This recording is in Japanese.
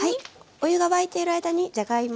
お湯が沸いてる間にじゃがいも